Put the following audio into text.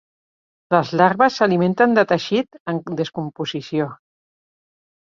Les larves s'alimenten de teixit en descomposició.